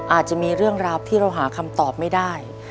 อาจจะมีเรื่องราวที่เราหาคำตอบไม่ได้